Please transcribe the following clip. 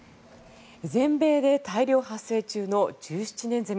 全米で大量発生中の１７年ゼミ。